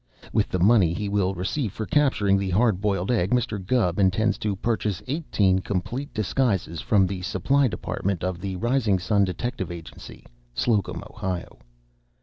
With the money he will receive for capturing the Hard Boiled Egg, Mr. Gubb intends to purchase eighteen complete disguises from the Supply Department of the Rising Sun Detective Agency, Slocum, Ohio.